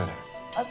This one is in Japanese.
あっ。